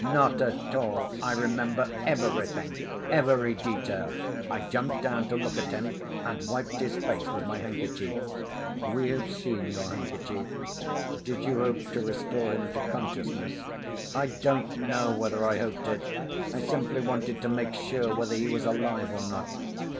"Not at all. I remember everything—every detail. I jumped down to look at him, and wiped his face with my handkerchief." "We have seen your handkerchief. Did you hope to restore him to consciousness?" "I don't know whether I hoped it. I simply wanted to make sure whether he was alive or not."